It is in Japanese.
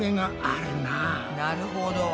なるほど。